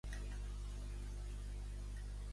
El seu successor va ser el seu diputat, Geraldo Alckmin.